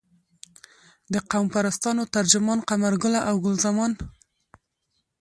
د قوم پرستانو ترجمان قمرګله او ګل زمان.